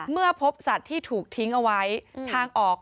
เมื่อพบสัตว์ที่ถูกทิ้งเอาไว้ทางออก